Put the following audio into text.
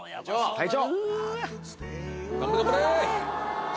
・・隊長！